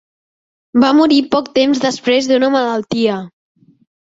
Va morir poc de temps després d'una malaltia.